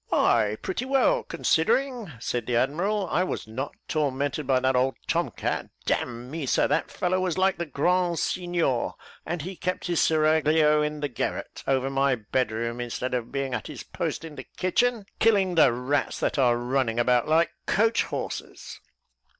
"Why, pretty well; considering," said the admiral, "I was not tormented by that old tom cat. D n me, Sir, that fellow was like the Grand Signior, and he kept his seraglio in the garret, over my bed room, instead of being at his post in the kitchen, killing the rats that are running about like coach horses."